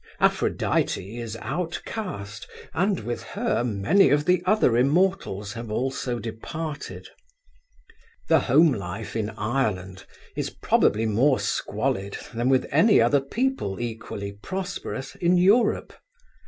Aphrodite is outcast and with her many of the other immortals have also departed. The home life in Ireland is probably more squalid than with any other people equally prosperous in Europe.